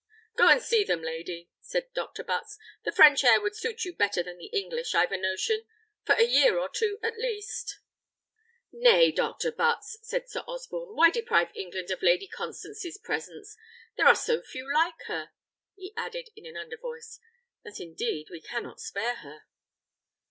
"Go and see them, lady," said Dr. Butts; "the French air would suit you better than the English, I've a notion; for a year or two, at least." "Nay, Dr. Butts," said Sir Osborne; "why deprive England of Lady Constance's presence? There are so few like her," he added, in an under voice, "that indeed we cannot spare her."